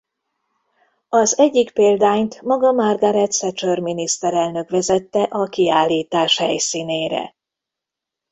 Az egyik példányt maga Margaret Thatcher miniszterelnök vezette a kiállítás helyszínére.